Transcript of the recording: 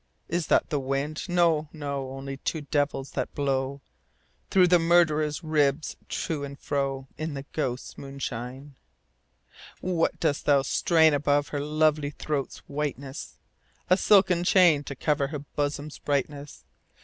Is that the wind ? No, no ; Only two devils, that blow Through the murderer's ribs to and fro. In the ghosts' moi^ishine. THE GHOSTS* MOONSHINE, 39 III. What dost thou strain above her Lovely throat's whiteness ? A silken chain, to cover Her bosom's brightness